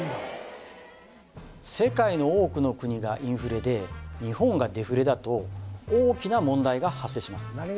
世界の多くの国がインフレで日本がデフレだと大きな問題が発生します